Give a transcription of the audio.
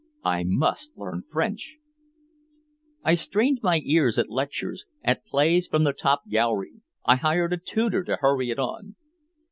I must learn French! I strained my ears at lectures, at plays from the top gallery, I hired a tutor to hurry it on.